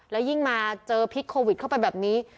แล้วยิ่งมาเจอพิษโควิดเข้าไปแบบนี้